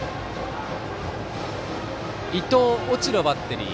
伊東、越智のバッテリー。